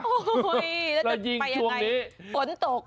โอ้โหแล้วจะไปยังไงฝนตก